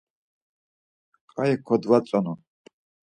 K̆ayi kodvatzonu.